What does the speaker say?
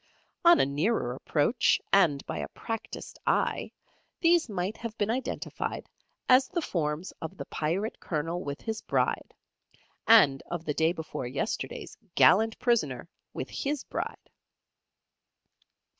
On a nearer approach, and by a practised eye, these might have been identified as the forms of the Pirate Colonel with his Bride, and of the day before yesterday's gallant prisoner with his Bride.